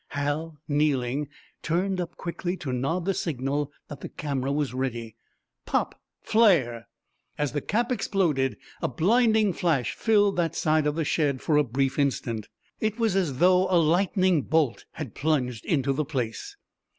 Hal, kneeling, turned up quickly to nod the signal that the camera was ready. Pop! Flare! As the cap exploded, a blinding flash filled that side of the shed for a brief instant. It was as through a lightning bolt had plunged into the place.